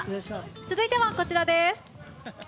続いてはこちらです。